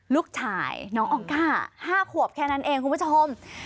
ลูกชายน้องออก้า๕ขวบแค่นั้นเองคุณผู้ชม